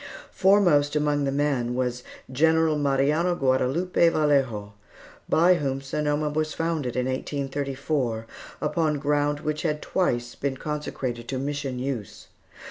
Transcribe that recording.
Foremost among the men was General Mariano Guadalupe Vallejo, by whom Sonoma was founded in 1834, upon ground which had twice been consecrated to Mission use.